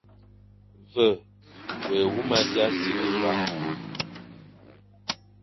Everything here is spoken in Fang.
Ve wé huma dia sighle va,